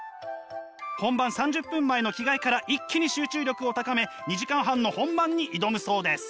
本番３０分前の着替えから一気に集中力を高め２時間半の本番に挑むそうです。